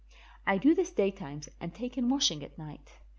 I do this daytimes and take in washing at night.